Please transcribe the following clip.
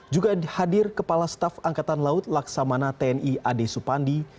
juga hadir kepala staf angkatan laut laksamana tni ade supandi